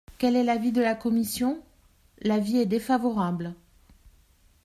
Quel est l’avis de la commission ? L’avis est défavorable.